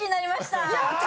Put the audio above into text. やった！